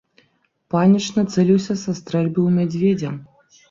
Паніч нацэліўся са стрэльбы ў мядзведзя.